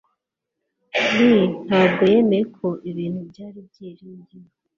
lee ntabwo yemeye ko ibintu byari byiringiro